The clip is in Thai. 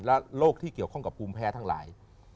และโรคที่เกี่ยวข้องกับภูมิแพ้ทั้งหลาย